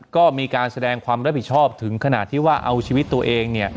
ก็มีการแสดงความรับผิดชอบถึงขนาดที่ว่าเอาชีวิตตัวเอง